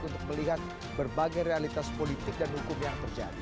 untuk melihat berbagai realitas politik dan hukum yang terjadi